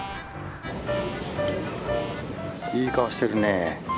いい顔してるね。